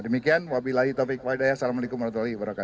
demikian wabillahi taufiq wa'alaikumsalam